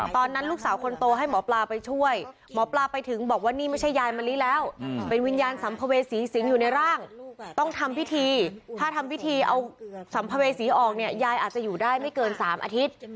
ตอนนั้นลูกสาวคนโตให้หมอปลาไปช่วยหมอปลาไปถึงบอกว่านี่ไม่ใช่ยายมะลิแล้วเป็นวิญญาณสัมภเวษีสิงห์อยู่ในร่างต้องทำพิธีถ้าทำพิธีเอาสัมภเวษีออกเนี่ยยายอาจจะอยู่ได้ไม่เกิน๓อาทิตย์